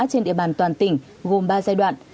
trên địa bàn toàn tỉnh gồm ba giai đoạn